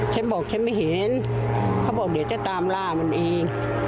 บอกฉันไม่เห็นเขาบอกเดี๋ยวจะตามล่ามันเอง